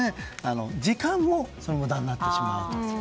時間も無駄になってしまうと。